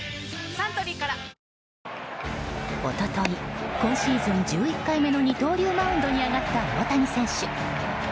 サントリーから一昨日今シーズン１１回目の二刀流マウンドに上がった大谷選手。